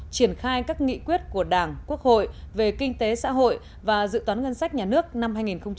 triển khai các nghị quyết của đảng quốc hội về kinh tế xã hội và dự toán ngân sách nhà nước năm hai nghìn hai mươi